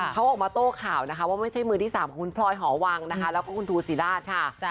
เขาออกมาโต้ข่าวว่าไม่ใช่มือที่๓คุณพรอยหอวังแล้วก็คุณทูศรีราช